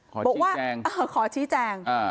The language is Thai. ขอชี้แจง